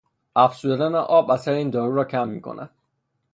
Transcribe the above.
افزودن آب اثر این دارو را کم میکند.